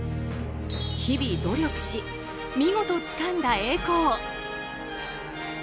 日々、努力し見事つかんだ栄光。